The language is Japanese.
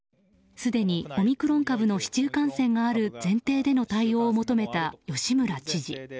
すでにオミクロン株の市中感染がある前提での対応を求めた吉村知事。